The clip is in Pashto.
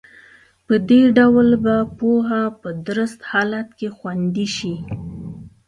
په دې ډول به پوهه په درست حالت کې خوندي شي.